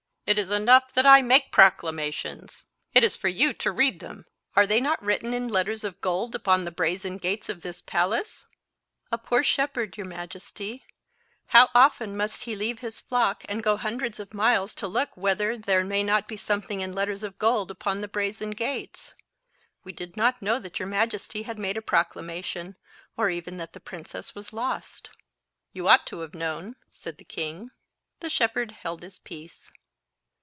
"It is enough that I make proclamations; it is for you to read them. Are they not written in letters of gold upon the brazen gates of this palace?" "A poor shepherd, your majesty—how often must he leave his flock, and go hundreds of miles to look whether there may not be something in letters of gold upon the brazen gates? We did not know that your majesty had made a proclamation, or even that the princess was lost." "You ought to have known," said the king. The shepherd held his peace.